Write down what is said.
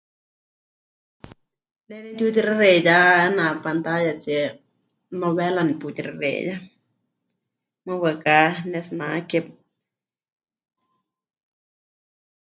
Ne nepɨtiutixexeiyá 'eena pantallatsie, novela neputixexeiyá, mɨɨkɨ waɨká pɨnetsinake.